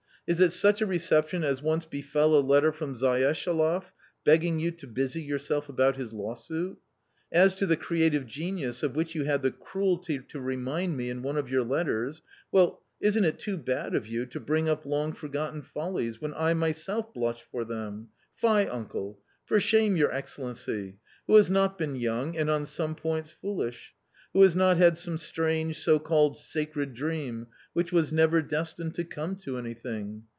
Is it such a reception as once befel a letter from Zayeshaloff begging you to busy yourself about his lawsuit? .... As to the 'creative genius ' of which you had the cruelty to remind me in one of your letters, well .... isn't it too bad of you to bring up long forgotten follies, when I myself blush for them ?.... Fie, uncle ! for shame, your Excellency ! Who has not been young and, on some points, foolish ? Who has not had some strange, so called ' sacred ' dream which was never destined to come to anything